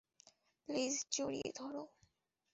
Please, জড়িয়ে ধরো!